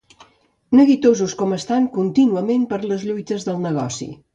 Neguitosos com estan contínuament per les lluites del negoci.